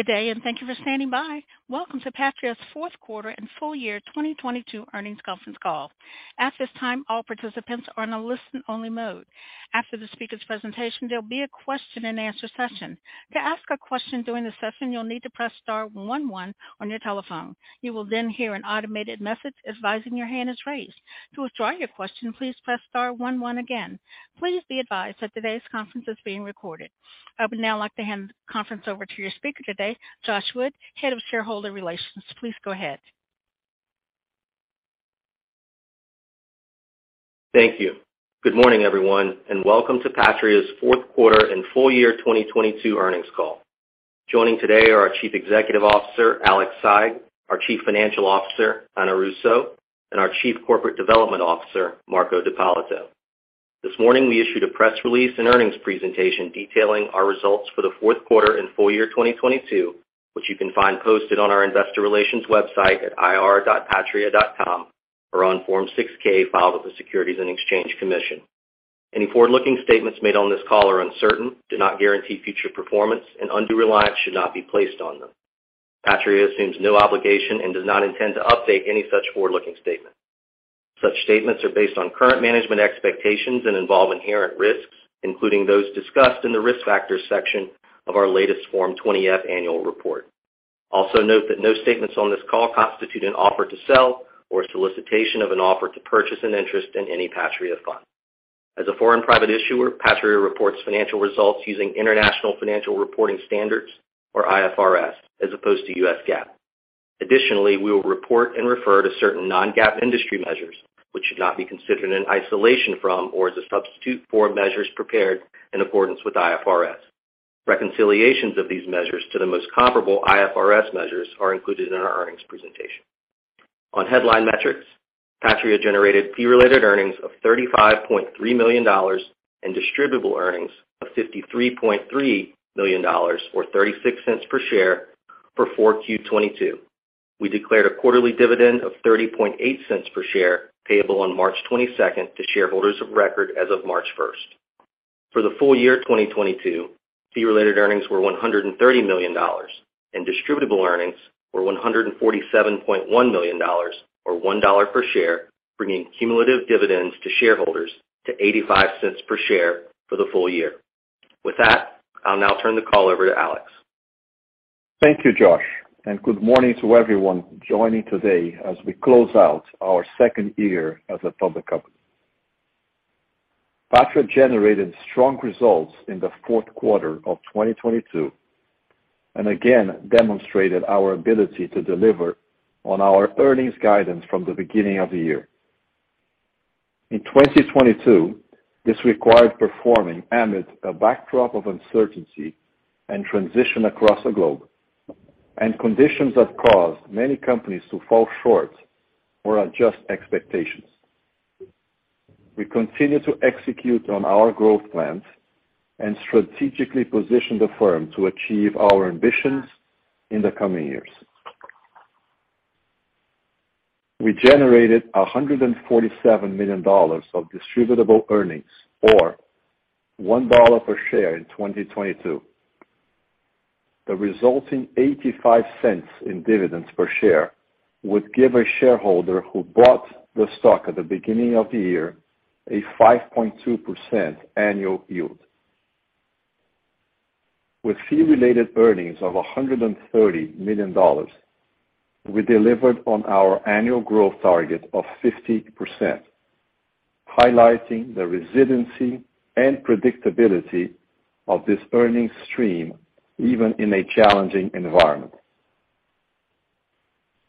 Good day, and thank you for standing by. Welcome to Patria's fourth quarter and full year 2022 earnings conference call. At this time, all participants are in a listen-only mode. After the speaker's presentation, there'll be a question-and-answer session. To ask a question during the session, you'll need to press star one one on your telephone. You will then hear an automated message advising your hand is raised. To withdraw your question, please press star one one again. Please be advised that today's conference is being recorded. I would now like to hand the conference over to your speaker today, Josh Wood, Head of Shareholder Relations. Please go ahead. Thank you. Good morning, everyone, and welcome to Patria's fourth quarter and full year 2022 earnings call. Joining today are our Chief Executive Officer, Alex Saigh, our Chief Financial Officer, Ana Russo, and our Chief Corporate Development Officer, Marco D'Ippolito. This morning we issued a press release and earnings presentation detailing our results for the fourth quarter and full year 2022, which you can find posted on our Investor Relations website at ir.patria.com or on Form 6-K filed with the Securities and Exchange Commission. Any forward-looking statements made on this call are uncertain, do not guarantee future performance, and undue reliance should not be placed on them. Patria assumes no obligation and does not intend to update any such forward-looking statements. Such statements are based on current management expectations and involve inherent risks, including those discussed in the Risk Factors section of our latest Form 20-F annual report. Note that no statements on this call constitute an offer to sell or a solicitation of an offer to purchase an interest in any Patria fund. As a foreign private issuer, Patria reports financial results using International Financial Reporting Standards or IFRS as opposed to U.S. GAAP. We will report and refer to certain non-GAAP industry measures, which should not be considered in isolation from or as a substitute for measures prepared in accordance with IFRS. Reconciliations of these measures to the most comparable IFRS measures are included in our earnings presentation. On headline metrics, Patria generated fee-related earnings of $35.3 million and distributable earnings of $53.3 million or $0.36 per share for 4Q 2022. We declared a quarterly dividend of $0.308 per share payable on March 22nd to shareholders of record as of March 1st. For the full year 2022, fee-related earnings were $130 million, and distributable earnings were $147.1 million or $1 per share, bringing cumulative dividends to shareholders to $0.85 per share for the full year. With that, I'll now turn the call over to Alex. Thank you, Josh. Good morning to everyone joining today as we close out our second year as a public company. Patria generated strong results in the fourth quarter of 2022 and again demonstrated our ability to deliver on our earnings guidance from the beginning of the year. In 2022, this required performing amid a backdrop of uncertainty and transition across the globe, and conditions have caused many companies to fall short or adjust expectations. We continue to execute on our growth plans and strategically position the firm to achieve our ambitions in the coming years. We generated $147 million of distributable earnings or $1 per share in 2022. The resulting $0.85 in dividends per share would give a shareholder who bought the stock at the beginning of the year a 5.2% annual yield. With fee-related earnings of $130 million, we delivered on our annual growth target of 50%, highlighting the resiliency and predictability of this earnings stream even in a challenging environment.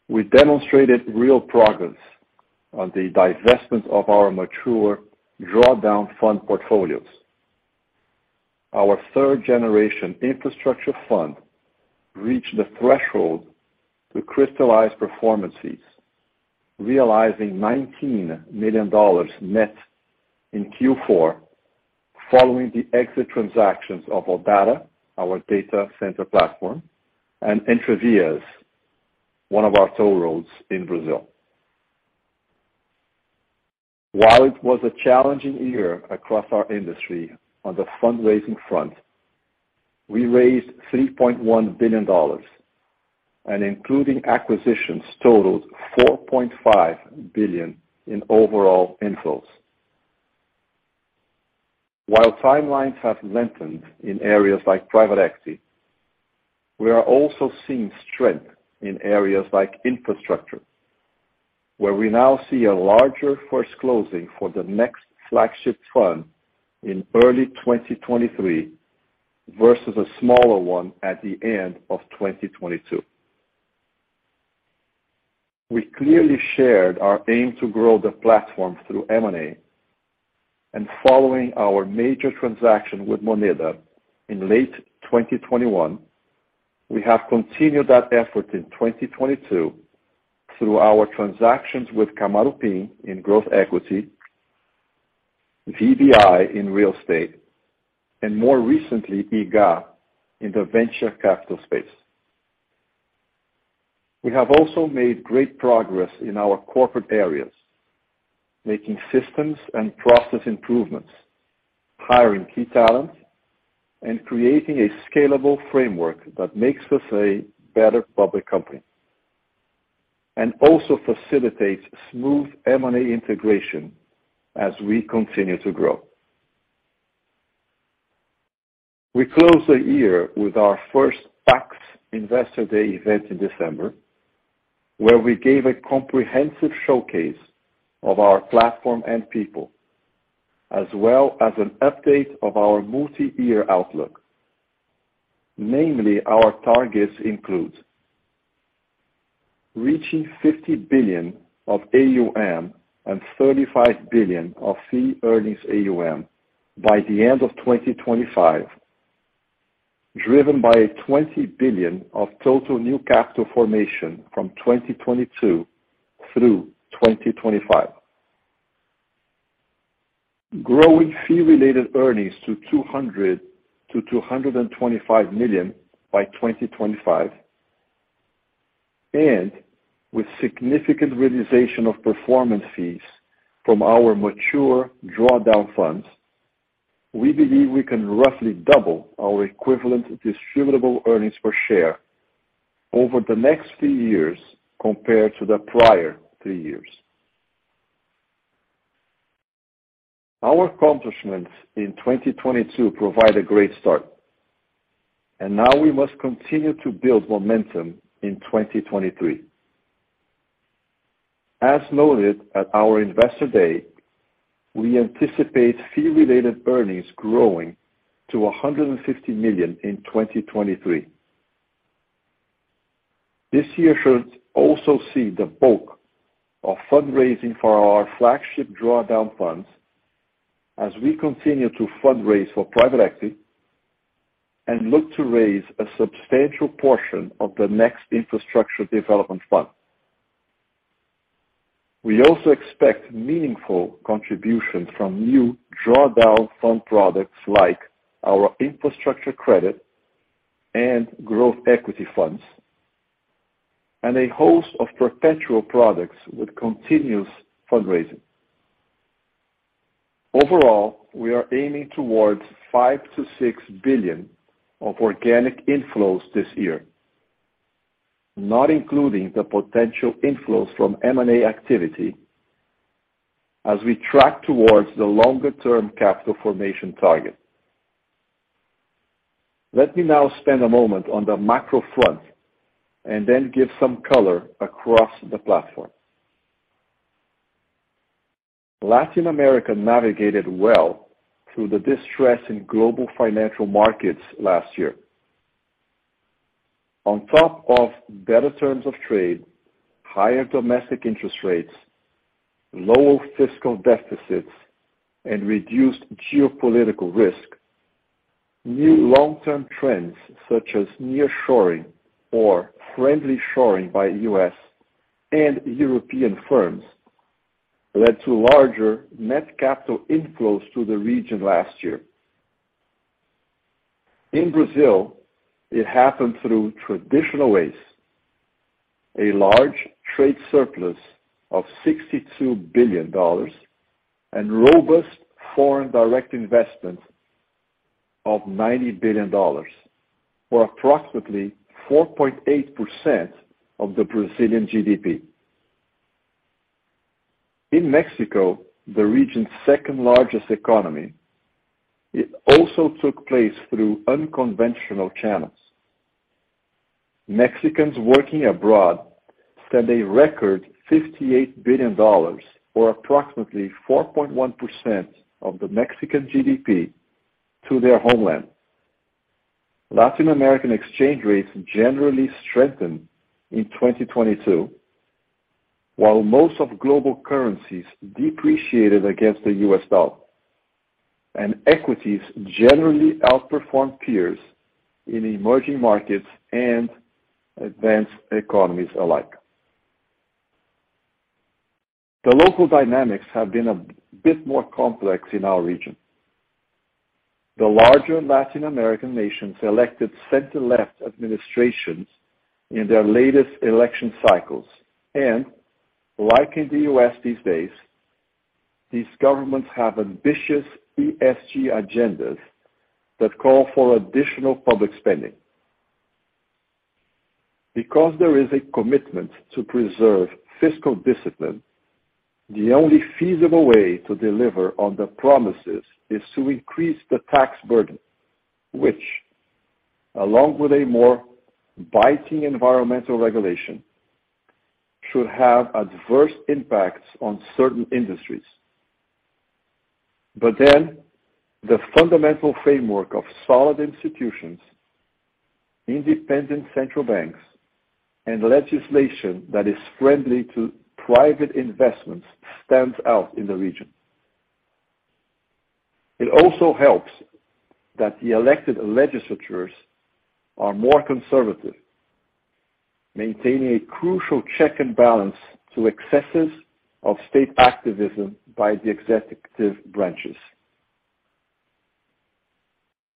We demonstrated real progress on the divestment of our mature drawdown fund portfolios. Our third-generation infrastructure fund reached the threshold to crystallize performances, realizing $19 million net in Q4 following the exit transactions of ODATA, our data center platform, and Entrevias, one of our toll roads in Brazil. While it was a challenging year across our industry on the fundraising front, we raised $3.1 billion, and including acquisitions totaled $4.5 billion in overall inflows. While timelines have lengthened in areas like private equity, we are also seeing strength in areas like infrastructure, where we now see a larger first closing for the next flagship fund in early 2023 versus a smaller one at the end of 2022. We clearly shared our aim to grow the platform through M&A. Following our major transaction with Moneda in late 2021, we have continued that effort in 2022 through our transactions with Kamaroopin in growth equity, VBI in real estate, and more recently, Igah in the venture capital space. We have also made great progress in our corporate areas, making systems and process improvements, hiring key talent, and creating a scalable framework that makes us a better public company, and also facilitates smooth M&A integration as we continue to grow. We closed the year with our first PAX Investor Day event in December, where we gave a comprehensive showcase of our platform and people, as well as an update of our multi-year outlook. Namely, our targets include reaching $50 billion of AUM and $35 billion of fee-earning AUM by the end of 2025, driven by a $20 billion of total new capital formation from 2022 through 2025. Growing fee-related earnings to $200 million-$225 million by 2025. With significant realization of performance fees from our mature drawdown funds, we believe we can roughly double our equivalent distributable earnings per share over the next three years compared to the prior three years. Our accomplishments in 2022 provide a great start, and now we must continue to build momentum in 2023. As noted at our PAX Investor Day, we anticipate fee-related earnings growing to $150 million in 2023. This year should also see the bulk of fundraising for our flagship drawdown funds as we continue to fundraise for private equity and look to raise a substantial portion of the next infrastructure development fund. We also expect meaningful contributions from new drawdown fund products like our infrastructure credit and growth equity funds, a host of perpetual products with continuous fundraising. Overall, we are aiming towards $5 billion-$6 billion of organic inflows this year, not including the potential inflows from M&A activity as we track towards the longer-term capital formation target. Let me now spend a moment on the macro front and then give some color across the platform. Latin America navigated well through the distress in global financial markets last year. On top of better terms of trade, higher domestic interest rates, lower fiscal deficits, and reduced geopolitical risk, new long-term trends such as nearshoring or friendshoring by U.S. and European firms led to larger net capital inflows to the region last year. In Brazil, it happened through traditional ways, a large trade surplus of $62 billion and robust foreign direct investment of $90 billion, or approximately 4.8% of the Brazilian GDP. In Mexico, the region's second-largest economy, it also took place through unconventional channels. Mexicans working abroad sent a record $58 billion, or approximately 4.1% of the Mexican GDP, to their homeland. Latin American exchange rates generally strengthened in 2022, while most of global currencies depreciated against the U.S. Dollar, equities generally outperformed peers in emerging markets and advanced economies alike. The local dynamics have been a bit more complex in our region. The larger Latin American nations elected center-left administrations in their latest election cycles. Like in the U.S. these days, these governments have ambitious ESG agendas that call for additional public spending. Because there is a commitment to preserve fiscal discipline, the only feasible way to deliver on the promises is to increase the tax burden, which, along with a more biting environmental regulation, should have adverse impacts on certain industries. The fundamental framework of solid institutions, independent central banks, and legislation that is friendly to private investments stands out in the region. It also helps that the elected legislatures are more conservative, maintaining a crucial check and balance to excesses of state activism by the executive branches.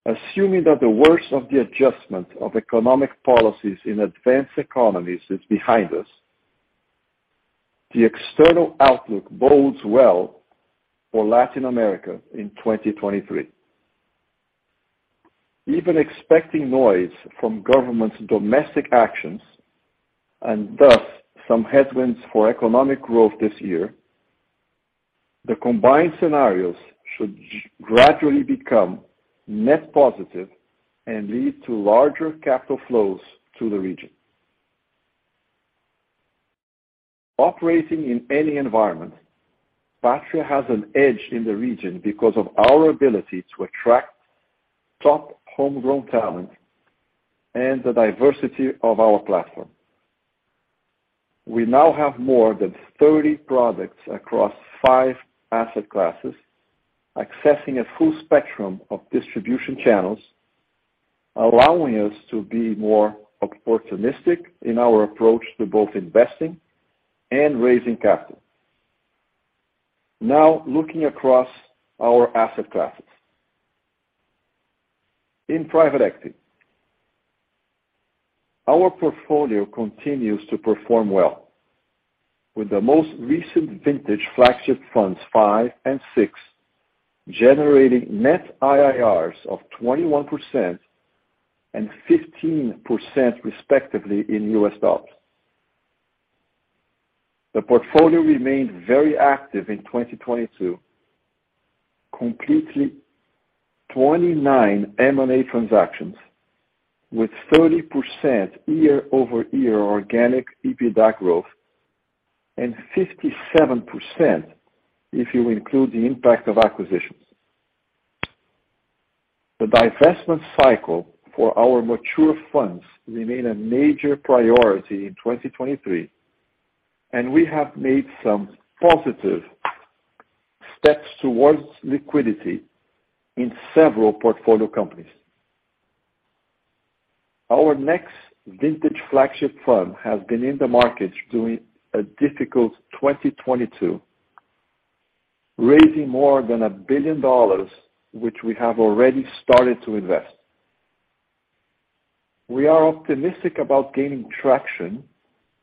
Assuming that the worst of the adjustment of economic policies in advanced economies is behind us, the external outlook bodes well for Latin America in 2023. Even expecting noise from government's domestic actions, and thus some headwinds for economic growth this year, the combined scenarios should gradually become net positive and lead to larger capital flows to the region. Operating in any environment, Patria has an edge in the region because of our ability to attract top homegrown talent and the diversity of our platform. We now have more than 30 products across five asset classes, accessing a full spectrum of distribution channels, allowing us to be more opportunistic in our approach to both investing and raising capital. Looking across our asset classes. In private equity, our portfolio continues to perform well with the most recent vintage flagship funds five and six, generating net IRRs of 21% and 15% respectively in US dollars. The portfolio remained very active in 2022 completely 29 M&A transactions with 30% year-over-year organic EBITDA growth and 57% if you include the impact of acquisitions. The divestment cycle for our mature funds remain a major priority in 2023. We have made some positive steps towards liquidity in several portfolio companies. Our next vintage flagship fund has been in the market during a difficult 2022, raising more than $1 billion, which we have already started to invest. We are optimistic about gaining traction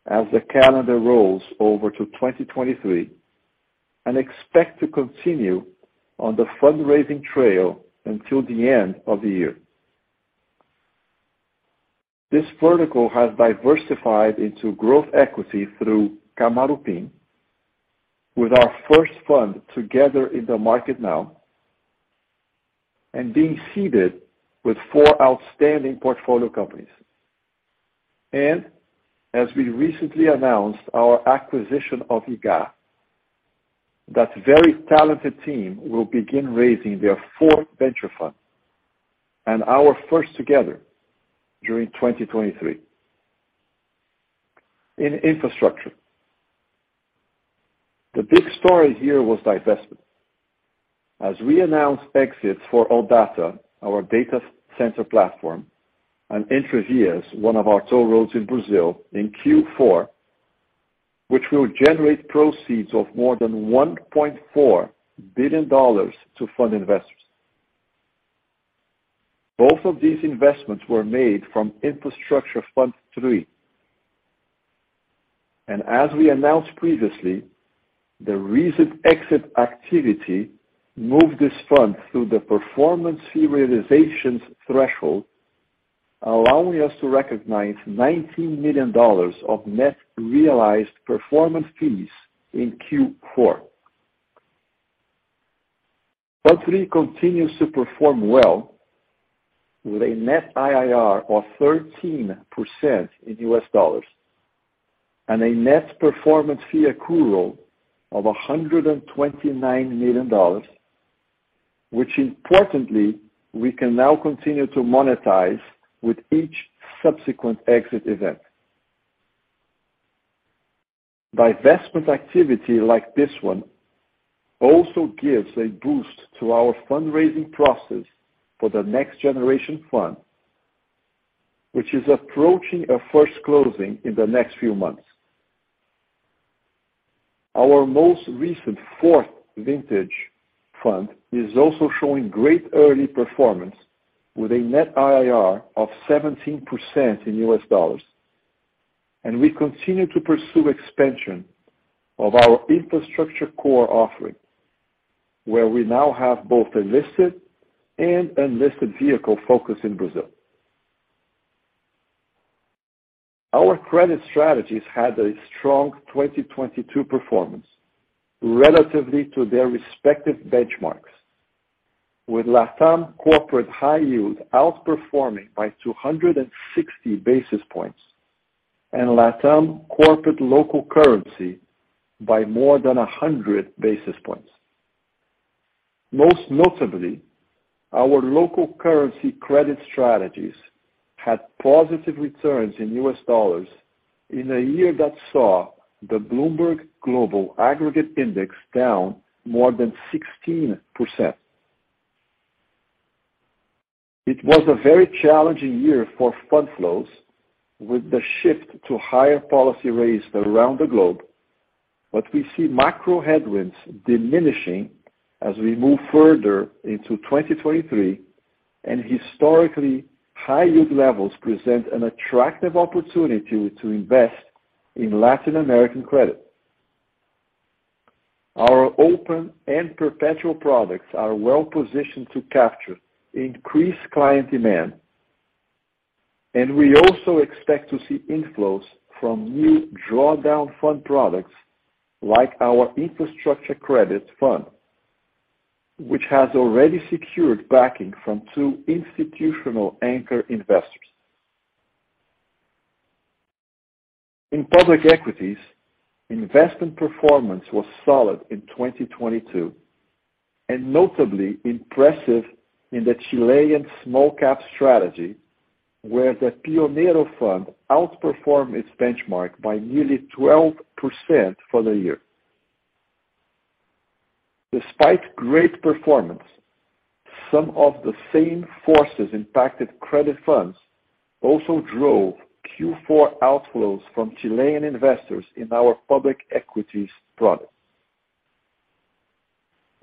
as the calendar rolls over to 2023. We expect to continue on the fundraising trail until the end of the year. This vertical has diversified into growth equity through Kamaroopin with our first fund together in the market now and being seeded with four outstanding portfolio companies. As we recently announced our acquisition of Igah, that very talented team will begin raising their fourth venture fund and our first together during 2023. In infrastructure, the big story here was divestment. As we announced exits for ODATA, our data center platform, and Entrevias, one of our toll roads in Brazil in Q4, which will generate proceeds of more than $1.4 billion to fund investors. Both of these investments were made from Infrastructure Fund III. As we announced previously, the recent exit activity moved this fund through the performance fee realization threshold, allowing us to recognize $19 million of net realized performance fees in Q4. Fund III continues to perform well with a net IRR of 13% in USD and a net performance fee accrual of $129 million, which importantly, we can now continue to monetize with each subsequent exit event. Divestment activity like this one also gives a boost to our fundraising process for the next generation fund, which is approaching a 1st closing in the next few months. Our most recent 4fourth vintage fund is also showing great early performance with a net IRR of 17% in USD. We continue to pursue expansion of our infrastructure core offering, where we now have both a listed and unlisted vehicle focus in Brazil. Our credit strategies had a strong 2022 performance relatively to their respective benchmarks, with LATAM corporate high yield outperforming by 260 basis points and LATAM corporate local currency by more than 100 basis points. Most notably, our local currency credit strategies had positive returns in U.S. dollars in a year that saw the Bloomberg Global Aggregate Index down more than 16%. We see macro headwinds diminishing as we move further into 2023, and historically high yield levels present an attractive opportunity to invest in Latin American credit. Our open and perpetual products are well-positioned to capture increased client demand. We also expect to see inflows from new drawdown fund products like our Infrastructure Credit Fund, which has already secured backing from two institutional anchor investors. In public equities, investment performance was solid in 2022, and notably impressive in the Chilean small cap strategy, where the Pionero Fund outperformed its benchmark by nearly 12% for the year. Despite great performance, some of the same forces impacted credit funds also drove Q4 outflows from Chilean investors in our public equities products.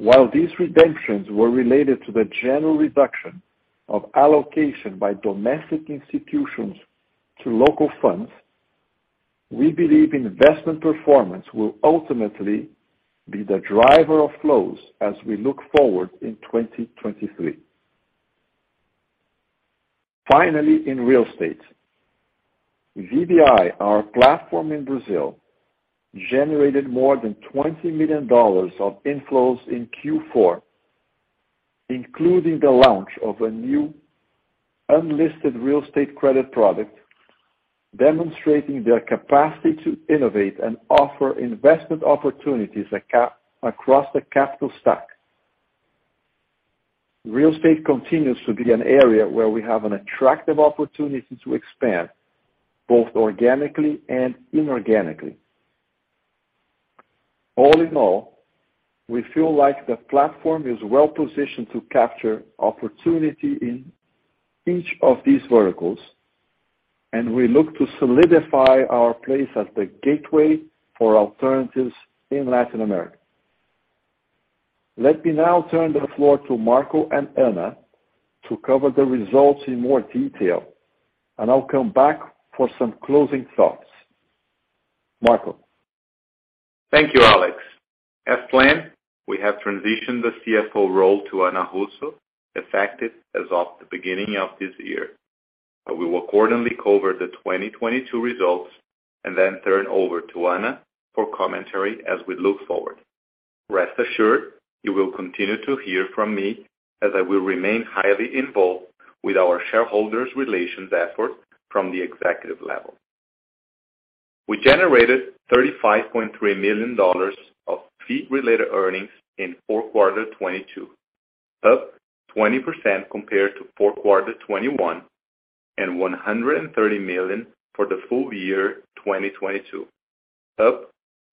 While these redemptions were related to the general reduction of allocation by domestic institutions to local funds, we believe investment performance will ultimately be the driver of flows as we look forward in 2023. Finally, in real estate, VBI, our platform in Brazil, generated more than $20 million of inflows in Q4, including the launch of a new unlisted real estate credit product, demonstrating their capacity to innovate and offer investment opportunities across the capital stack. Real estate continues to be an area where we have an attractive opportunity to expand, both organically and inorganically. All in all, we feel like the platform is well-positioned to capture opportunity in each of these verticals, and we look to solidify our place as the gateway for alternatives in Latin America. Let me now turn the floor to Marco and Ana to cover the results in more detail, and I'll come back for some closing thoughts. Marco? Thank you, Alex. As planned, we have transitioned the CFO role to Ana Russo, effective as of the beginning of this year. I will accordingly cover the 2022 results and then turn over to Ana for commentary as we look forward. Rest assured, you will continue to hear from me as I will remain highly involved with our shareholders relations effort from the executive level. We generated $35.3 million of fee-related earnings in fourth quarter 2022, up 20% compared to fourth quarter 2021 and $130 million for the full year 2022, up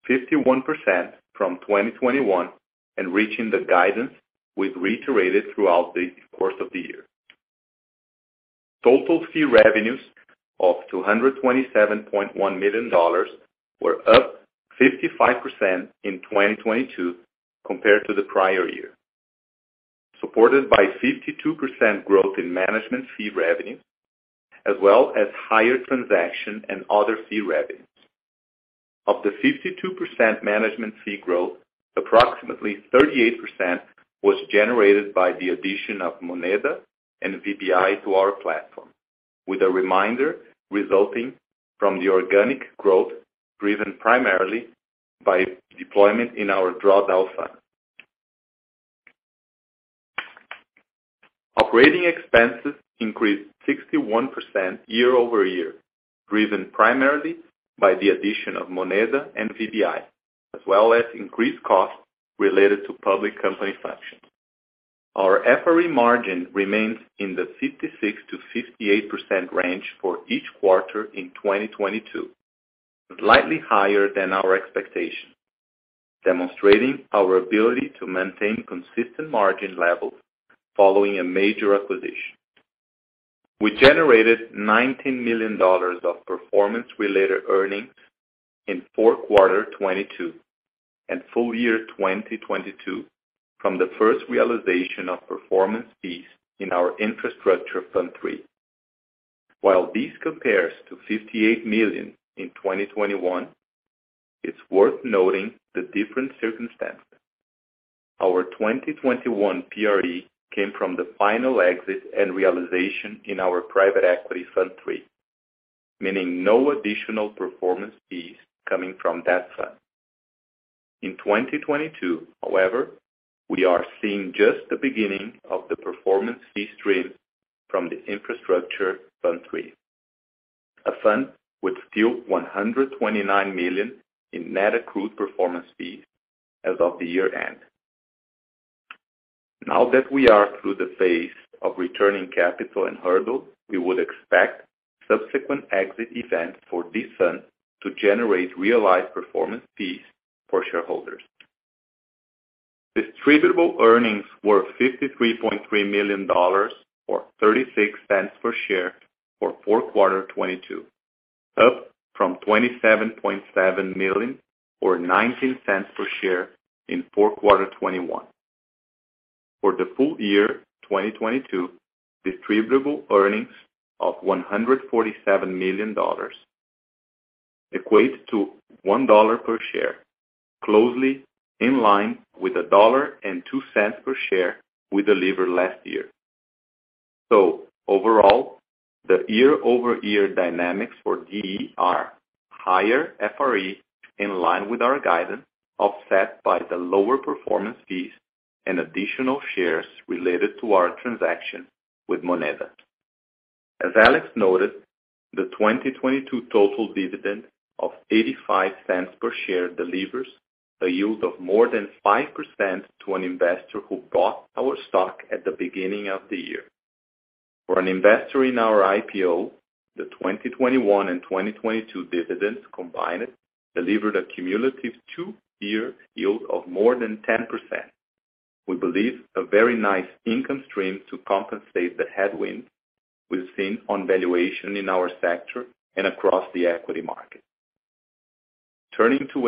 51% from 2021 and reaching the guidance we'd reiterated throughout the course of the year. Total fee revenues of $227.1 million were up 55% in 2022 compared to the prior year, supported by 52% growth in management fee revenue, as well as higher transaction and other fee revenues. Of the 52% management fee growth, approximately 38% was generated by the addition of Moneda and VBI to our platform with a reminder resulting from the organic growth driven primarily by deployment in our Drawdown Fund. Operating expenses increased 61% year-over-year, driven primarily by the addition of Moneda and VBI, as well as increased costs related to public company functions. Our FRE margin remains in the 56%-58% range for each quarter in 2022, slightly higher than our expectation, demonstrating our ability to maintain consistent margin levels following a major acquisition. We generated $19 million of performance-related earnings in fourth quarter 2022 and full year 2022 from the first realization of performance fees in our Infrastructure Fund III. While this compares to $58 million in 2021, it's worth noting the different circumstance. Our 2021 PRE came from the final exit and realization in our Private Equity Fund III, meaning no additional performance fees coming from that fund. In 2022, however, we are seeing just the beginning of the performance fee stream from the Infrastructure Fund III, a fund with still $129 million in net accrued performance fees as of the year-end. Now that we are through the phase of returning capital and hurdle, we would expect subsequent exit events for this fund to generate realized performance fees for shareholders. Distributable earnings were $53.3 million or $0.36 per share for fourth quarter 2022, up from $27.7 million or $0.19 per share in fourth quarter 2021. For the full year 2022, distributable earnings of $147 million equates to $1.00 per share, closely in line with $1.02 per share we delivered last year. Overall, the year-over-year dynamics for DE are higher FRE in line with our guidance, offset by the lower performance fees and additional shares related to our transaction with Moneda. As Alex noted, the 2022 total dividend of $0.85 per share delivers a yield of more than 5% to an investor who bought our stock at the beginning of the year. For an investor in our IPO, the 2021 and 2022 dividends combined delivered a cumulative 2-year yield of more than 10%. We believe a very nice income stream to compensate the headwinds we've seen on valuation in our sector and across the equity market. Turning to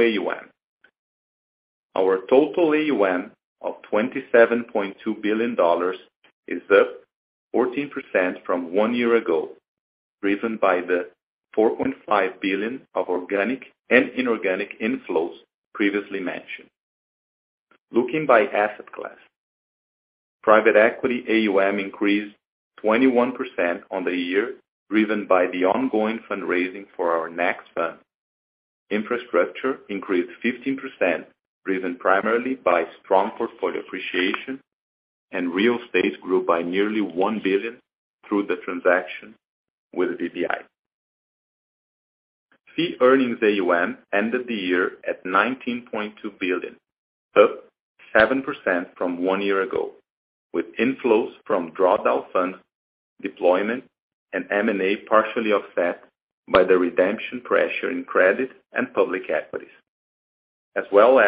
AUM. Our total AUM of $27.2 billion is up 14% from 1 year ago, driven by the $4.5 billion of organic and inorganic inflows previously mentioned. Looking by asset class, private equity AUM increased 21% on the year, driven by the ongoing fundraising for our next fund. Infrastructure increased 15%, driven primarily by strong portfolio appreciation, real estate grew by nearly $1 billion through the transaction with VBI. Fee-earning AUM ended the year at $19.2 billion, up 7% from 1 year ago, with inflows from drawdown funds, deployment, and M&A partially offset by the redemption pressure in credit and public equities. As well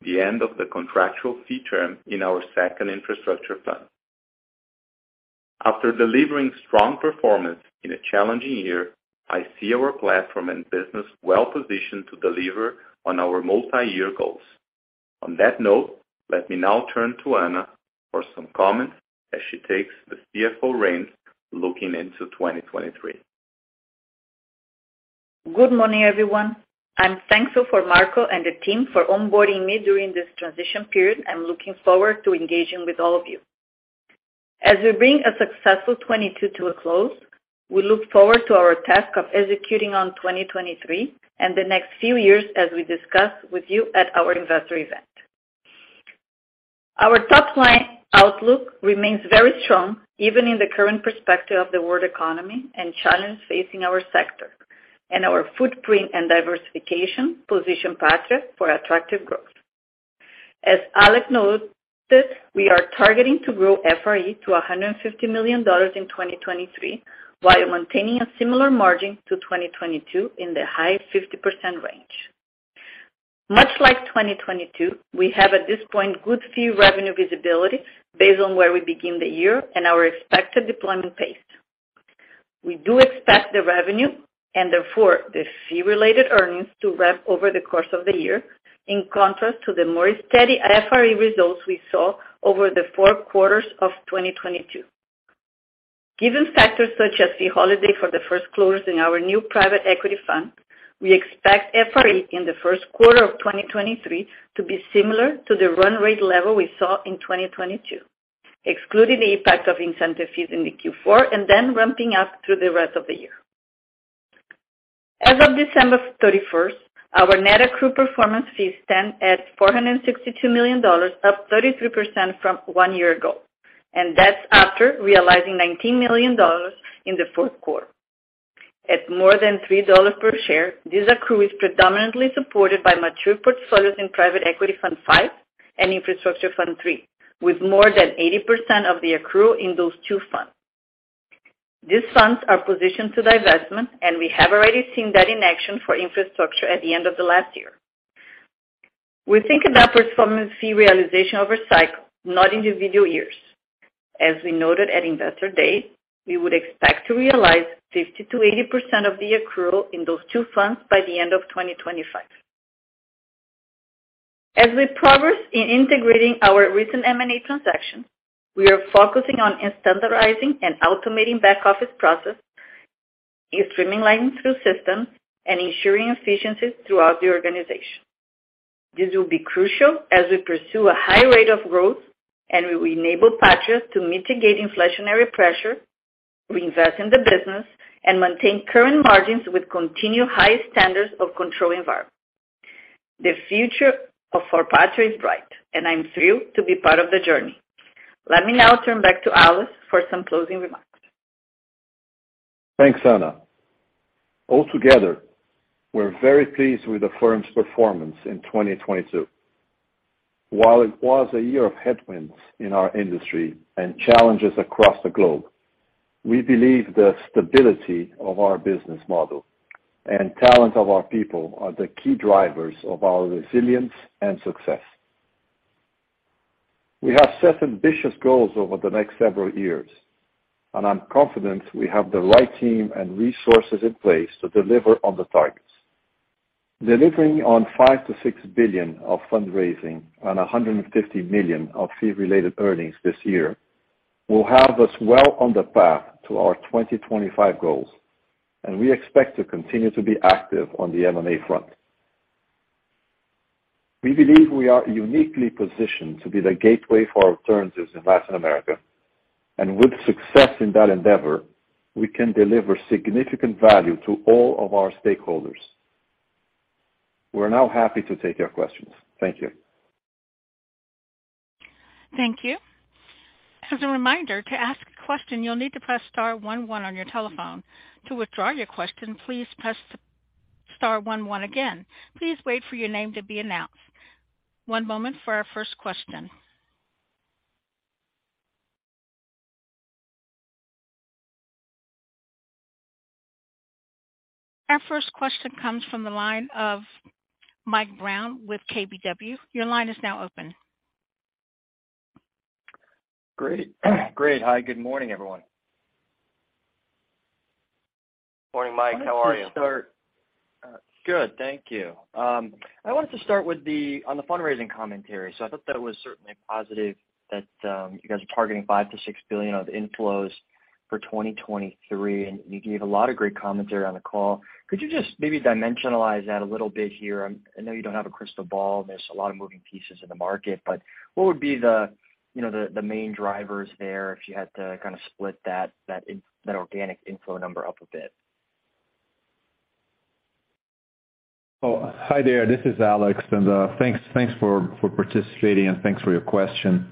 as the end of the contractual fee term in our second infrastructure fund. After delivering strong performance in a challenging year, I see our platform and business well-positioned to deliver on our multi-year goals. On that note, let me now turn to Ana for some comments as she takes the CFO reins looking into 2023. Good morning, everyone. I'm thankful for Marco and the team for onboarding me during this transition period. I'm looking forward to engaging with all of you. As we bring a successful 2022 to a close, we look forward to our task of executing on 2023 and the next few years as we discuss with you at our investor event. Our top line outlook remains very strong, even in the current perspective of the world economy and challenge facing our sector. Our footprint and diversification position Patria for attractive growth. As Alex noted, we are targeting to grow FRE to $150 million in 2023 while maintaining a similar margin to 2022 in the high 50% range. Much like 2022, we have, at this point, good fee revenue visibility based on where we begin the year and our expected deployment pace. We do expect the revenue and therefore the fee-related earnings to ramp over the course of the year, in contrast to the more steady FRE results we saw over the four quarters of 2022. Given factors such as fee holiday for the first close in our new private equity fund, we expect FRE in the first quarter of 2023 to be similar to the run rate level we saw in 2022, excluding the impact of incentive fees in the Q4. Then ramping up through the rest of the year. As of December 31st, our net accrue performance fees stand at $462 million, up 33% from one year ago. That's after realizing $19 million in the fourth quarter. At more than $3 per share, this accrue is predominantly supported by mature portfolios in Private Equity Fund V and Infrastructure Fund III, with more than 80% of the accrue in those two funds. These funds are positioned to divestment, we have already seen that in action for infrastructure at the end of the last year. We think about performance fee realization over cycle, not individual years. As we noted at PAX Investor Day, we would expect to realize 50%-80% of the accrual in those two funds by the end of 2025. As we progress in integrating our recent M&A transaction, we are focusing on standardizing and automating back office process, streamlining through systems, and ensuring efficiencies throughout the organization. This will be crucial as we pursue a high rate of growth and will enable Patria to mitigate inflationary pressure, reinvest in the business, and maintain current margins with continued high standards of control environment. The future of our Patria is bright, and I'm thrilled to be part of the journey. Let me now turn back to Alex Saigh for some closing remarks. Thanks, Ana. Altogether, we're very pleased with the firm's performance in 2022. While it was a year of headwinds in our industry and challenges across the globe. We believe the stability of our business model and talent of our people are the key drivers of our resilience and success. We have set ambitious goals over the next several years. I'm confident we have the right team and resources in place to deliver on the targets. Delivering on $5 billion-$6 billion of fundraising and $150 million of fee-related earnings this year will have us well on the path to our 2025 goals. We expect to continue to be active on the M&A front. We believe we are uniquely positioned to be the gateway for alternatives in Latin America. With success in that endeavor, we can deliver significant value to all of our stakeholders. We're now happy to take your questions. Thank you. Thank you. As a reminder, to ask a question, you'll need to press star one one on your telephone. To withdraw your question, please press star one one again. Please wait for your name to be announced. One moment for our first question. Our first question comes from the line of Mike Brown with KBW. Your line is now open. Great. Great. Hi, good morning, everyone. Morning, Mike. How are you? Good, thank you. I wanted to start on the fundraising commentary. I thought that was certainly positive that you guys are targeting $5 billion-$6 billion of inflows for 2023, and you gave a lot of great commentary on the call. Could you just maybe dimensionalize that a little bit here? I know you don't have a crystal ball, and there's a lot of moving pieces in the market, but what would be the, you know, the main drivers there if you had to kind of split that organic inflow number up a bit? Hi there. This is Alex, thanks for participating, thanks for your question.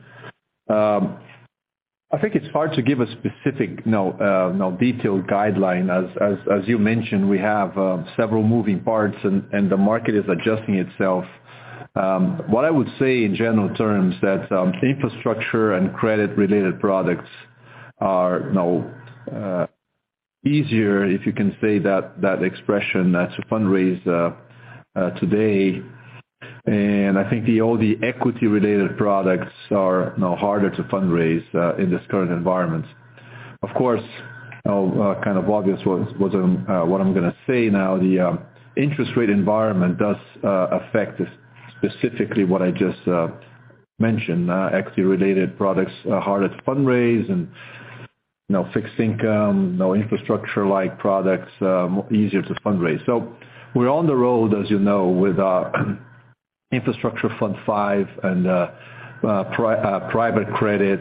I think it's hard to give a specific, you know, detailed guideline. As you mentioned, we have several moving parts and the market is adjusting itself. What I would say in general terms that infrastructure and credit-related products are, you know, easier, if you can say that expression, to fundraise today. I think the, all the equity-related products are, you know, harder to fundraise in this current environment. Of course, kind of obvious was what I'm gonna say now, the interest rate environment does affect specifically what I just mentioned. Equity-related products are harder to fundraise and, you know, fixed income, you know, infrastructure-like products, easier to fundraise. We're on the road, as you know, with Infrastructure Fund V and private credit,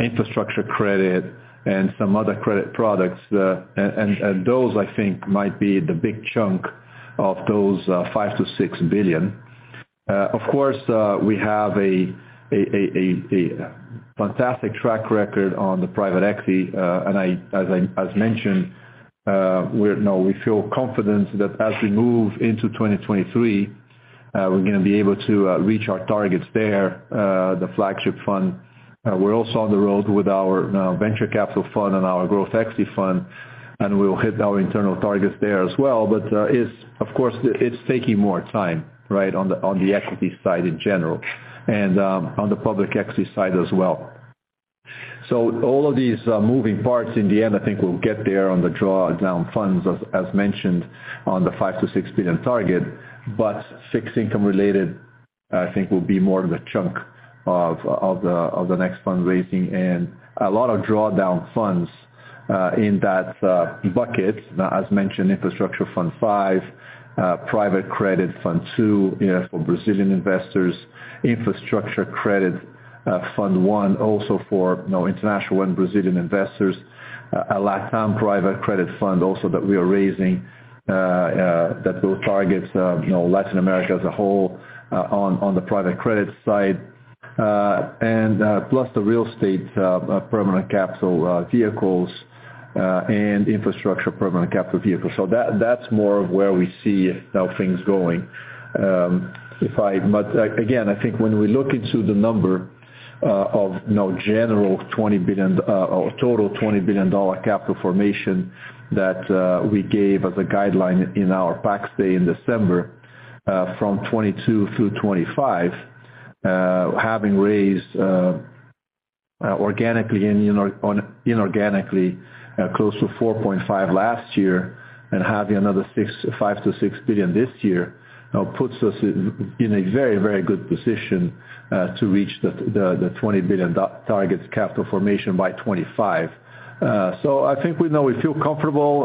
infrastructure credit and some other credit products. And those I think might be the big chunk of those $5 billion-$6 billion. Of course, we have a fantastic track record on the private equity. And as mentioned, we're, you know, we feel confident that as we move into 2023, we're gonna be able to reach our targets there, the flagship fund. We're also on the road with our venture capital fund and our growth equity fund, and we'll hit our internal targets there as well. It's, of course, it's taking more time, right, on the equity side in general and on the public equity side as well. All of these moving parts in the end, I think we'll get there on the drawdown funds, as mentioned on the $5 billion-$6 billion target. Fixed income-related, I think, will be more of a chunk of the next fundraising and a lot of drawdown funds in that bucket. As mentioned, Infrastructure Fund V, Private Credit Fund II, you know, for Brazilian investors, Infrastructure Credit Fund I also for, you know, international and Brazilian investors. A LatAm private credit fund also that we are raising that will target, you know, Latin America as a whole on the private credit side. And plus the real estate permanent capital vehicles and infrastructure permanent capital vehicles. So that's more of where we see how things going. If I again, I think when we look into the number of, you know, general $20 billion or total $20 billion capital formation that we gave as a guideline in our PAX Investor Day in December from 2022 through 2025, having raised organically and inorganically close to $4.5 billion last year and having another $5 billion-$6 billion this year, puts us in a very, very good position to reach the $20 billion targets capital formation by 2025. I think we know we feel comfortable,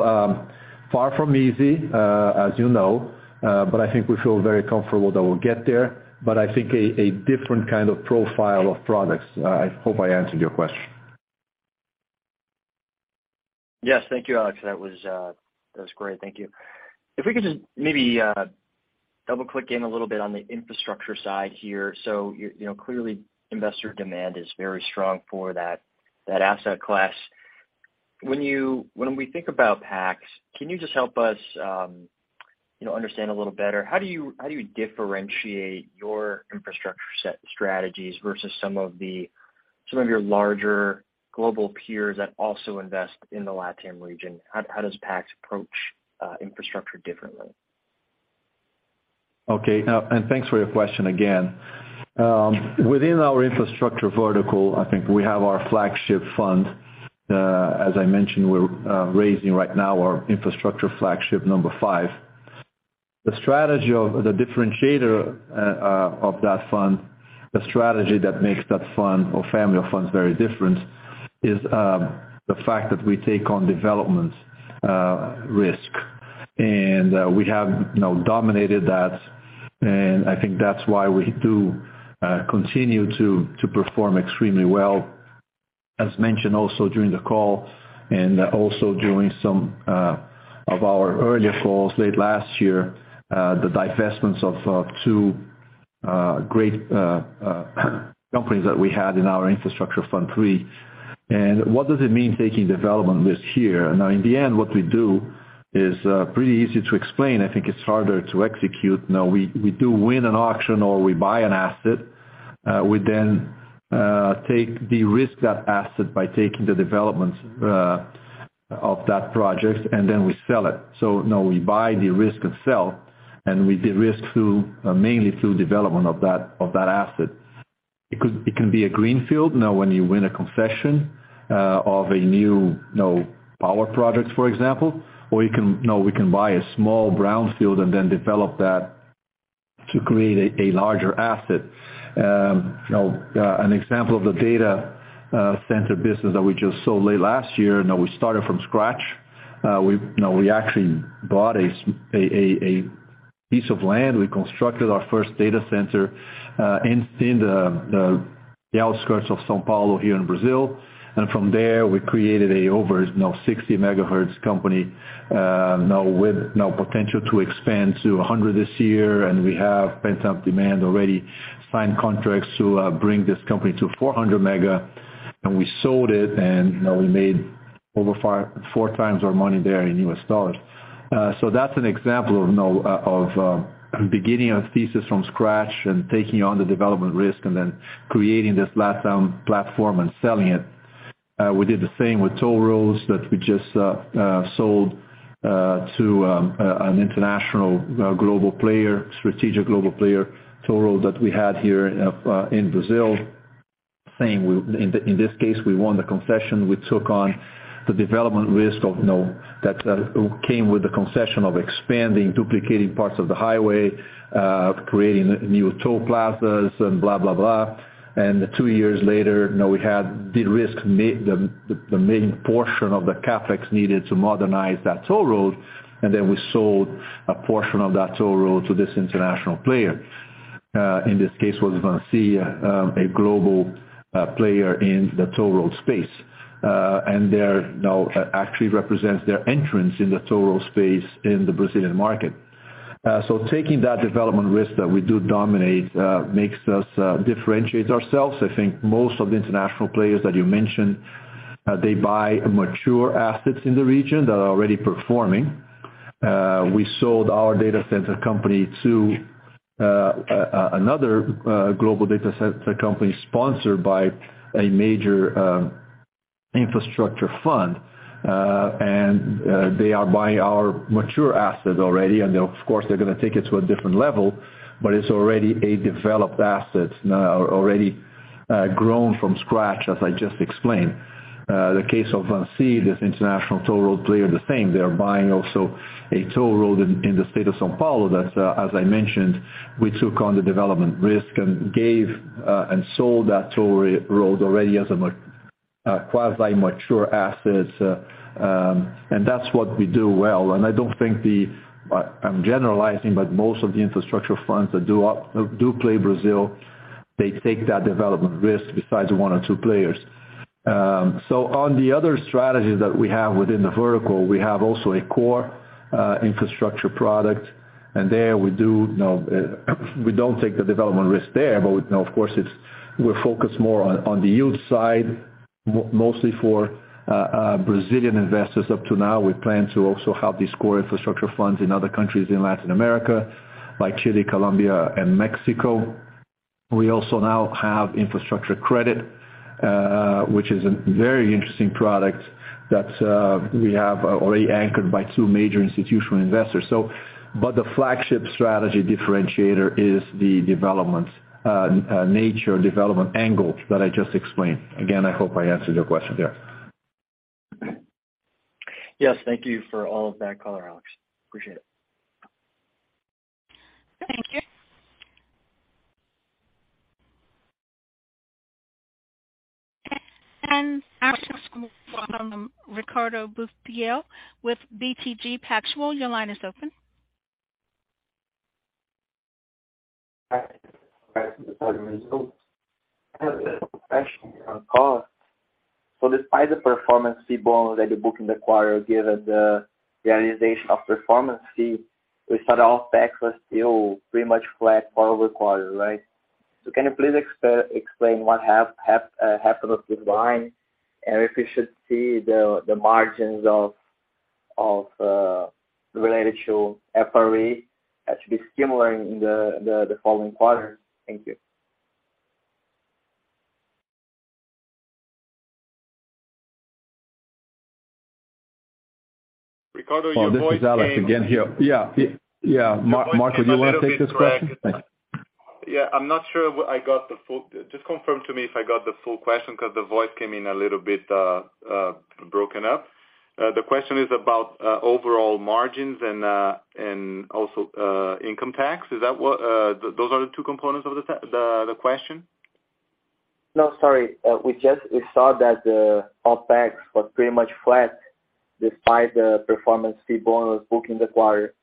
far from easy, as you know, but I think we feel very comfortable that we'll get there. I think a different kind of profile of products. I hope I answered your question. Yes. Thank you, Alex. That was great. Thank you. If we could just maybe double-click in a little bit on the infrastructure side here. You're, you know, clearly investor demand is very strong for that asset class. When we think about PAX, can you just help us You know, understand a little better, how do you differentiate your infrastructure set strategies versus some of your larger global peers that also invest in the LatAm region? How, how does PAX approach infrastructure differently? Okay. Thanks for your question again. Within our infrastructure vertical, I think we have our flagship fund. As I mentioned, we're raising right now our Infrastructure flagship 5. The strategy of the differentiator of that fund, the strategy that makes that fund or family of funds very different is the fact that we take on development risk. We have, you know, dominated that, and I think that's why we do continue to perform extremely well. As mentioned also during the call and also during some of our earlier calls late last year, the divestments of two great companies that we had in our Infrastructure Fund III. What does it mean taking development risk here? Now in the end, what we do is pretty easy to explain. I think it's harder to execute. Now we do win an auction or we buy an asset. We then take de-risk that asset by taking the development of that project, and then we sell it. Now we buy the risk and sell, and we de-risk through mainly through development of that, of that asset. It could, it can be a greenfield, you know, when you win a concession of a new, you know, power project, for example. You can, you know, we can buy a small brownfield and then develop that to create a larger asset. You know, an example of the data center business that we just sold late last year, you know, we started from scratch. We, you know, we actually bought a piece of land. We constructed our first data center in the outskirts of São Paulo here in Brazil. From there, we created a over, you know, 60 megahertz company, now with potential to expand to 100 this year. We have pent-up demand already, signed contracts to bring this company to 400 mega. We sold it, and, you know, we made over four times our money there in USD. That's an example of, you know, of beginning a thesis from scratch and taking on the development risk and then creating this platform and selling it. We did the same with toll roads that we just sold to an international global player, strategic global player toll road that we had here in Brazil. Same, In this, in this case, we won the concession. We took on the development risk of, you know, that came with the concession of expanding, duplicating parts of the highway, creating new toll plazas and blah, blah. Two years later, you know, we had de-risked the main portion of the CapEx needed to modernize that toll road, then we sold a portion of that toll road to this international player. In this case, was a global player in the toll road space. There, you know, actually represents their entrance in the toll road space in the Brazilian market. Taking that development risk that we do dominate, makes us differentiate ourselves. I think most of the international players that you mentioned, they buy mature assets in the region that are already performing. We sold our data center company to another global data center company sponsored by a major infrastructure fund. They are buying our mature asset already, and of course, they're gonna take it to a different level, but it's already a developed asset, already grown from scratch as I just explained. The case of this international toll road player, the same. They are buying also a toll road in the state of São Paulo that, as I mentioned, we took on the development risk and gave and sold that toll road already as a quasi-mature asset. That's what we do well. I don't think the. I'm generalizing, but most of the infrastructure funds that do play Brazil, they take that development risk besides one or two players. On the other strategies that we have within the vertical, we have also a core infrastructure product. There we do, you know, we don't take the development risk there, but we, you know, of course it's, we're focused more on the yield side mostly for Brazilian investors up to now. We plan to also have these core infrastructure funds in other countries in Latin America, like Chile, Colombia and Mexico. We also now have infrastructure credit, which is a very interesting product that we have already anchored by two major institutional investors. But the flagship strategy differentiator is the development nature development angle that I just explained. I hope I answered your question there. Yes. Thank you for all of that color, Alex. Appreciate it. Thank you. Our next question comes from Ricardo Buchpiguel with BTG Pactual. Your line is open. Hi. Thank you for the results. I have a question on cost. Despite the performance fee bonus that the book and the quarter gave us the realization of performance fee, we saw that our tax was still pretty much flat quarter-over-quarter, right? Can you please explain what happened with this line and if we should see the margins related to FRE to be similar in the following quarter? Thank you. Ricardo, your voice came. Oh, this is Alex again here. Yeah, yeah. Marco, do you want to take this question? Thanks. Yeah. I'm not sure. Just confirm to me if I got the full question, because the voice came in a little bit broken up. The question is about overall margins and also income tax. Is that what? Those are the two components of the question? No, sorry. We saw that the OpEx was pretty much flat despite the performance fee bonus booked in the quarter.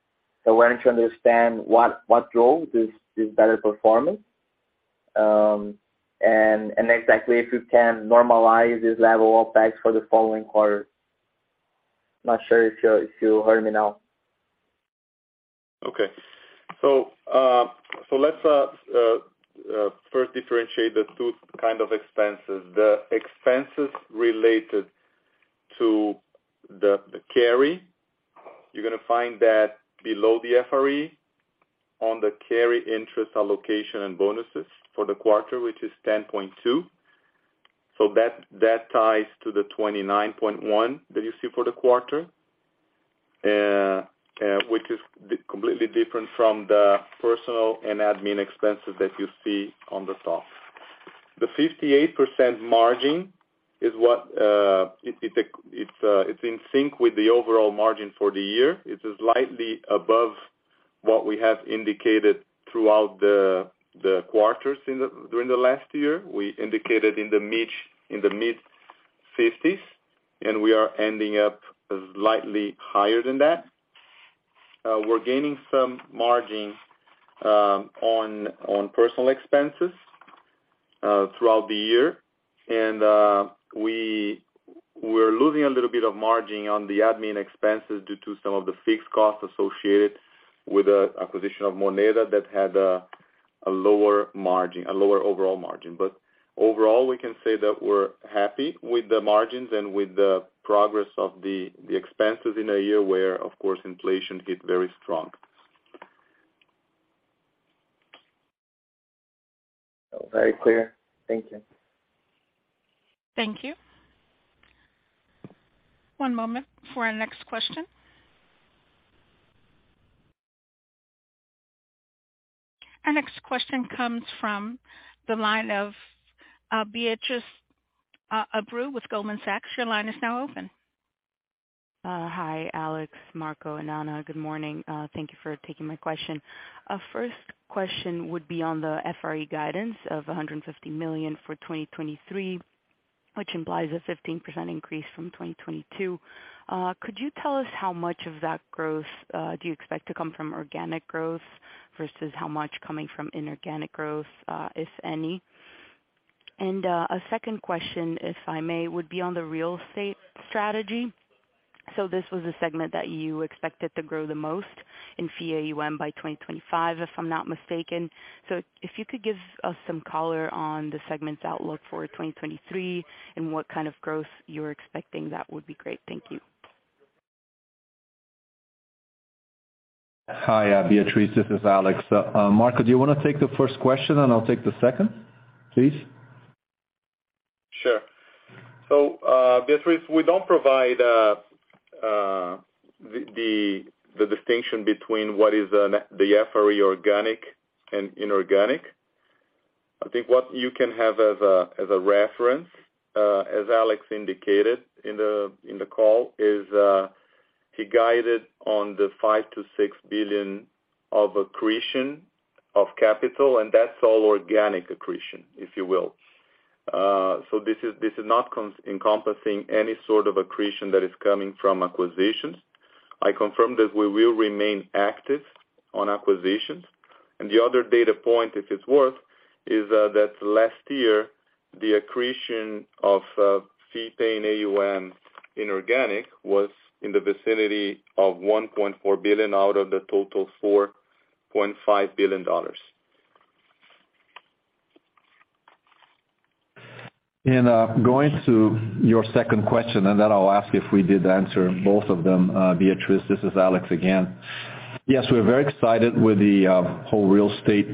We're trying to understand what drove this better performance. And exactly if you can normalize this level of tax for the following quarter. Not sure if you heard me now. Okay. So let's first differentiate the two kind of expenses. The expenses related to the carry, you're gonna find that below the FRE on the carry interest allocation and bonuses for the quarter, which is 10.2. That ties to the 29.1 that you see for the quarter, which is completely different from the personal and admin expenses that you see on the top. The 58% margin is what it's in sync with the overall margin for the year. It is slightly above what we have indicated throughout the quarters during the last year. We indicated in the mid-50s, and we are ending up slightly higher than that. We're gaining some margin on personal expenses throughout the year. We're losing a little bit of margin on the admin expenses due to some of the fixed costs associated with the acquisition of Moneda that had a lower margin, a lower overall margin. Overall, we can say that we're happy with the margins and with the progress of the expenses in a year where, of course, inflation hit very strong. Very clear. Thank you. Thank you. One moment for our next question. Our next question comes from the line of Beatriz Abreu with Goldman Sachs. Your line is now open. Hi, Alex, Marco, and Ana. Good morning. Thank you for taking my question. First question would be on the FRE guidance of $150 million for 2023, which implies a 15% increase from 2022. Could you tell us how much of that growth do you expect to come from organic growth versus how much coming from inorganic growth, if any? A second question, if I may, would be on the real estate strategy. This was a segment that you expected to grow the most in fee AUM by 2025, if I'm not mistaken. If you could give us some color on the segment's outlook for 2023 and what kind of growth you're expecting, that would be great. Thank you. Hi, Beatriz, this is Alex. Marco, do you wanna take the first question, and I'll take the second, please? Sure. Beatriz, we don't provide the distinction between what is the FRE organic and inorganic. I think what you can have as a reference, as Alex indicated in the call, is he guided on the $5 billion-$6 billion of accretion of capital, and that's all organic accretion, if you will. This is not encompassing any sort of accretion that is coming from acquisitions. I confirm that we will remain active on acquisitions. The other data point, if it's worth, is that last year the accretion of fee pay in AUM inorganic was in the vicinity of $1.4 billion out of the total $4.5 billion. Going to your second question, and then I'll ask if we did answer both of them. Beatriz, this is Alex again. Yes, we're very excited with the whole real estate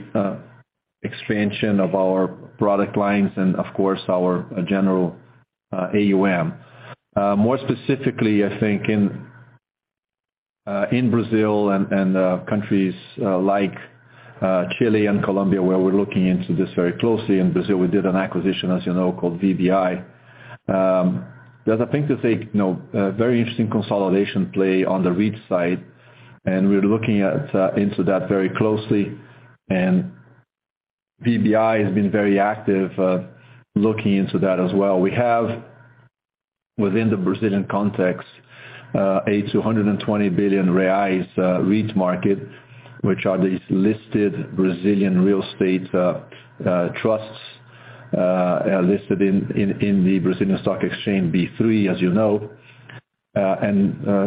expansion of our product lines and of course our general AUM. More specifically, I think in Brazil and countries like Chile and Colombia, where we're looking into this very closely. In Brazil, we did an acquisition, as you know, called VBI. There's, I think, it's a, you know, a very interesting consolidation play on the REIT side, and we're looking into that very closely. VBI has been very active looking into that as well. We have, within the Brazilian context, a 220 billion reais REIT market, which are these listed Brazilian real estate trusts listed in the Brazilian stock exchange, B3, as you know.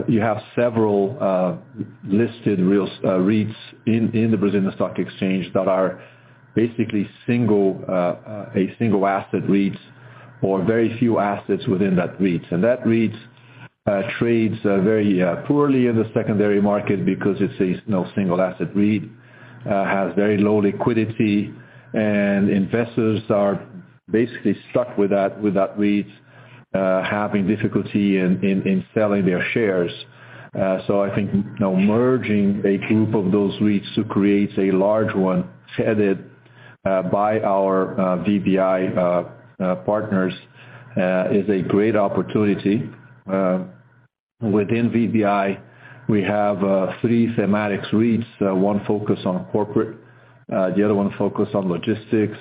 You have several listed REITs in the Brazilian stock exchange that are basically a single asset REITs or very few assets within that REIT. That REIT trades very poorly in the secondary market because it's a, you know, single asset REIT, has very low liquidity, and investors are basically stuck with that REIT, having difficulty in selling their shares. I think now merging a group of those REITs to create a large one headed by our VBI partners, is a great opportunity. Within VBI, we have three thematics REITs. One focus on corporate, the other one focus on logistics,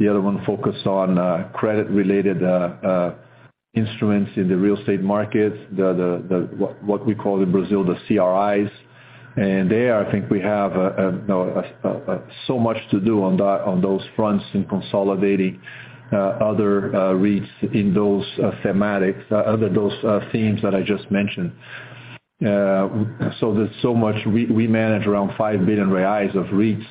the other one focus on credit-related instruments in the real estate markets. The what we call in Brazil, the CRIs. There, I think we have, you know, so much to do on those fronts in consolidating other REITs in those thematics under those themes that I just mentioned. So there's so much. We manage around 5 billion reais of REITs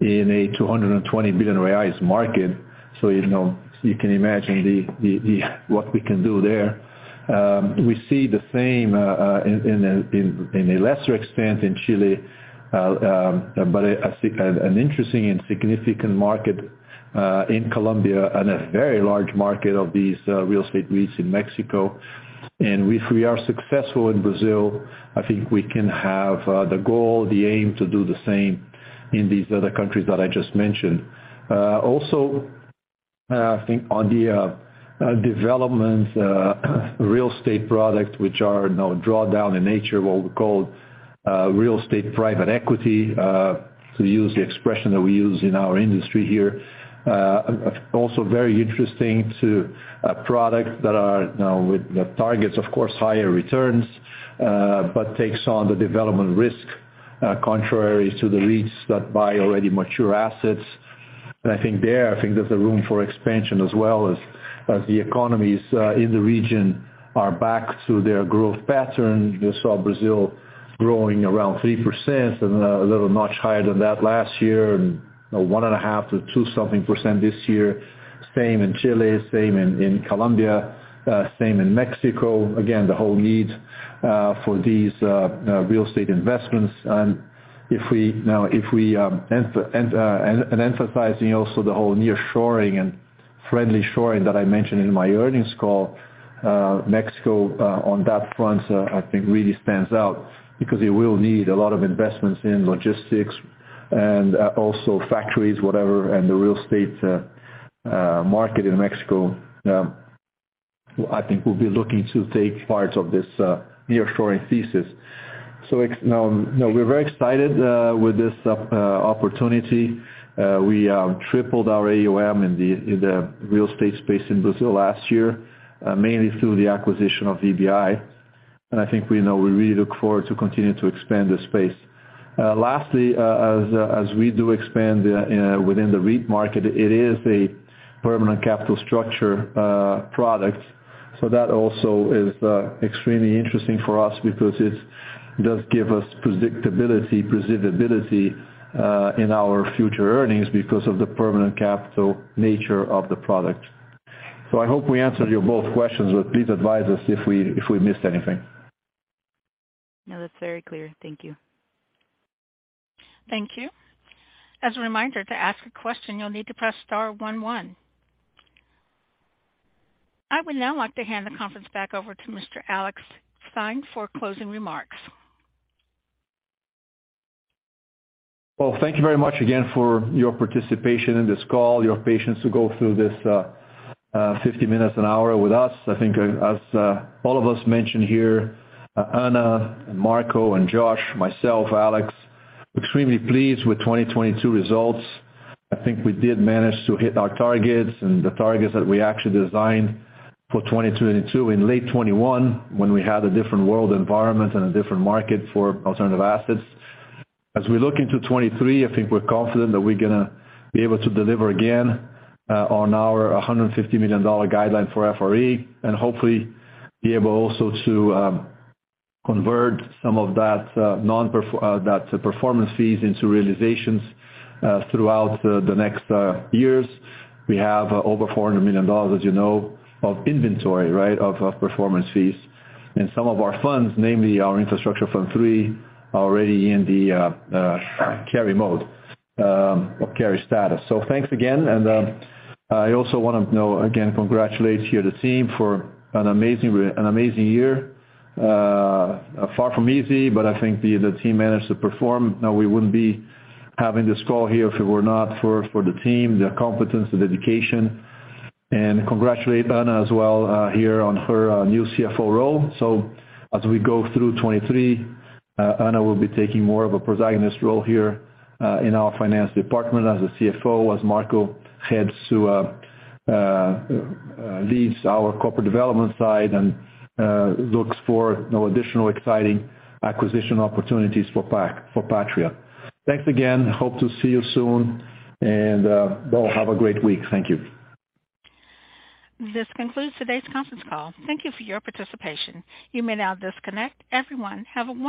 in a 220 billion reais market. You know, you can imagine the what we can do there. We see the same, in a lesser extent in Chile, but I think an interesting and significant market in Colombia and a very large market of these real estate REITs in Mexico. If we are successful in Brazil, I think we can have the goal, the aim, to do the same in these other countries that I just mentioned. Also, I think on the development real estate product, which are now drawdown in nature, what we call real estate private equity, to use the expression that we use in our industry here. Also very interesting to a product that are now with the targets, of course, higher returns, but takes on the development risk, contrary to the REITs that buy already mature assets. I think there, I think there's a room for expansion as well as the economies in the region are back to their growth pattern. You saw Brazil growing around 3% and a little much higher than that last year and 1.5% to 2 something % this year. Same in Chile, same in Colombia, same in Mexico. Again, the whole need for these real estate investments. If we emphasizing also the whole nearshoring and friendshoring that I mentioned in my earnings call, Mexico on that front, I think really stands out because it will need a lot of investments in logistics and also factories, whatever. The real estate market in Mexico, I think we'll be looking to take part of this nearshoring thesis. You know, we're very excited with this opportunity. We tripled our AUM in the real estate space in Brazil last year, mainly through the acquisition of VBI. I think we know we really look forward to continue to expand this space. Lastly, as we do expand within the REIT market, it is a permanent capital structure product. That also is extremely interesting for us because it does give us predictability in our future earnings because of the permanent capital nature of the product. I hope we answered your both questions, please advise us if we missed anything. No, that's very clear. Thank you. Thank you. As a reminder, to ask a question, you'll need to press star one one. I would now like to hand the conference back over to Mr. Alex Saigh for closing remarks. Well, thank you very much again for your participation in this call, your patience to go through this 50 minutes, an hour with us. I think as all of us mentioned here, Ana and Marco and Josh, myself, Alex, extremely pleased with 2022 results. I think we did manage to hit our targets and the targets that we actually designed for 2022 in late 2021 when we had a different world environment and a different market for alternative assets. As we look into 2023, I think we're confident that we're gonna be able to deliver again on our $150 million guideline for FRE, and hopefully be able also to convert some of that performance fees into realizations throughout the next years. We have over $400 million, as you know, of inventory, right, of performance fees. Some of our funds, namely our Infrastructure Fund III, are already in the carry mode or carry status. Thanks again, and I also wanna now again congratulate here the team for an amazing year. Far from easy, but I think the team managed to perform. Now, we wouldn't be having this call here if it were not for the team, their competence and dedication. Congratulate Ana as well here on her new CFO role. As we go through 2023, Ana will be taking more of a protagonist role here in our finance department as the CFO, as Marco heads to leads our corporate development side and looks for now additional exciting acquisition opportunities for Patria. Thanks again. Hope to see you soon. Well, have a great week. Thank you. This concludes today's conference call. Thank you for your participation. You may now disconnect. Everyone, have a wonderful day.